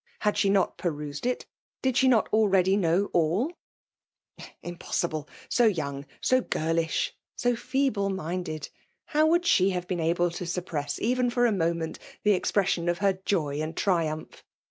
Had she not perused it? — ^Did she not already know all ? Impossible !— So young, so girlish, so feebly minded, how would she have been able to suppress, even for a moment, the ex pression of her joy and triumph